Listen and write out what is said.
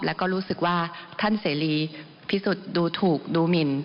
แล้วก็รู้สึกว่าท่านเสรีพิสุทธิ์ดูถูกดูหมิน